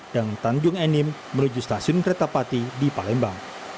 dan tanjung enim menuju stasiun kertapati di palembang